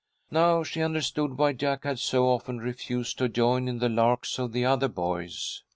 Now she understood why Jack had so often refused to join in the larks of the other boys.